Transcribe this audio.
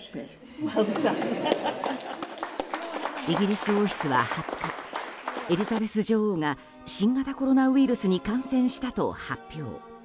イギリス王室は２０日エリザベス女王が新型コロナウイルスに感染したと発表。